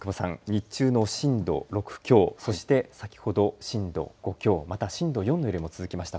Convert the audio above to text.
日中の震度６強そして震度先ほど６強また震度４の揺れも続きました。